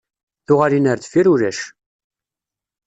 Tuɣalin ɣer deffir ulac!